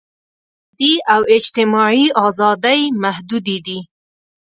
فردي او اجتماعي ازادۍ محدودې دي.